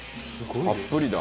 たっぷりだ。